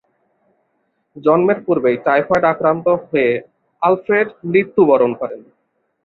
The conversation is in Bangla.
জন্মের পূর্বেই টাইফয়েড জ্বরে আক্রান্ত হয়ে আলফ্রেড মৃত্যুবরণ করেন।